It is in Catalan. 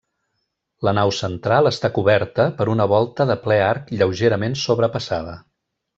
La nau central està coberta per una volta de ple arc lleugerament sobrepassada.